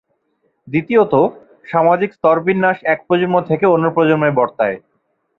দ্বিতীয়ত, সামাজিক স্তরবিন্যাস এক প্রজন্ম থেকে অন্য প্রজন্মে বর্তায়।